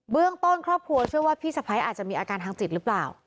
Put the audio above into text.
เรื่องต้นครอบครัวเชื่อว่าพี่สะพ้ายอาจจะมีอาการทางจิตหรือเปล่า